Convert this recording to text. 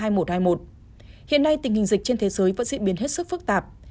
hiện nay tình hình dịch trên thế giới vẫn diễn biến hết sức phức tạp